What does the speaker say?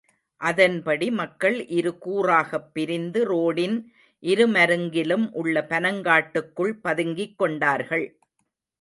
அதன்படி மக்கள் இருகூறாகப் பிரிந்து ரோடின் இரு மருங்கிலும் உள்ள பனங்காட்டுக்குள் பதுங்கிக் கொண்டார்கள்.